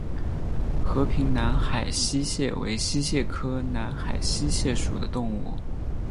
和平南海溪蟹为溪蟹科南海溪蟹属的动物。